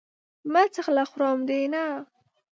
مه ځغله خورم دې نه !